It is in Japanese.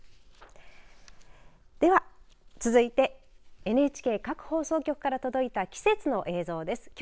では、続いてＮＨＫ各放送局から届いた季節の映像です。